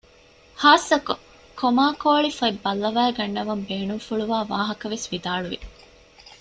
ޚާއްޞަކޮށް ކޮމާކޯޅި ފޮތް ބައްލަވައިގަންވަން ބޭނުންފުޅުވާ ވާހަކަ ވެސް ވިދާޅުވި